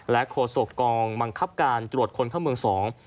โฆษกองบังคับการตรวจคนเข้าเมืองสอง